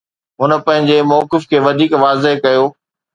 هن پنهنجي موقف کي وڌيڪ واضح ڪيو.